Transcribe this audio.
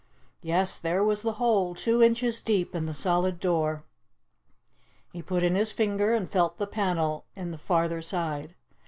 Yes, there was the hole, two inches deep in the solid door. He put in his finger and felt the panel in the farther side.